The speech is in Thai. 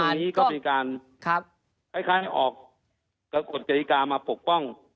อันนี้ก็เป็นการคล้ายออกกฎกรีการมาปกป้อง